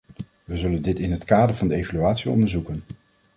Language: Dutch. We zullen dit in het kader van de evaluatie onderzoeken.